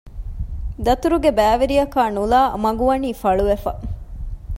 ދަތުރުގެ ބައިވެރިޔަކާ ނުލައި މަގު ވަނީ ފަޅުވެފަ